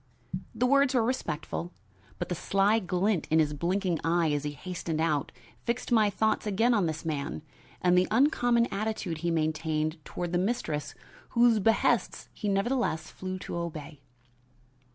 The words were respectful, but the sly glint in his blinking eyes as he hastened out fixed my thoughts again on this man and the uncommon attitude he maintained toward the mistress whose behests he nevertheless flew to obey.